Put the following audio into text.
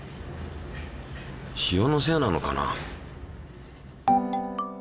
塩のせいなのかな？